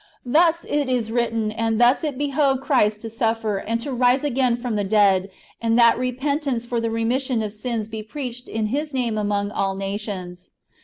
Thus it is written, and thus it behoved Christ to suffer, and to rise again from the dead, and that repentance for the remission of sins be preached in His name among all nations."